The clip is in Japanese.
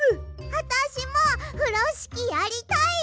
あたしもふろしきやりたい！